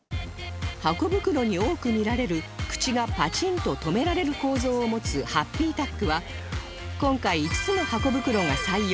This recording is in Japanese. ハコ袋に多く見られる口がパチンと留められる構造を持つハッピータックは今回５つのハコ袋が採用